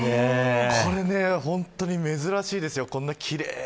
本当に珍しいですよ。